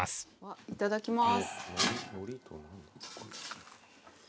いただきます。